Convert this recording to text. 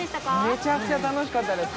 めちゃくちゃ楽しかったです。